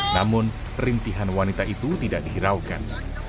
namun rintihan wanita itu tidak dihiraukan